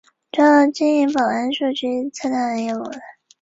现改置开原市。